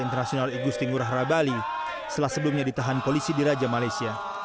internasional igustin gurahara bali setelah sebelumnya ditahan polisi diraja malaysia